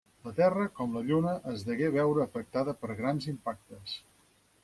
La Terra, com la Lluna, es degué veure afectada per grans impactes.